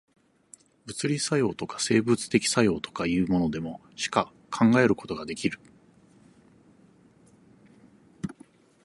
物理作用とか、生物的作用とかいうものでも、しか考えることができる。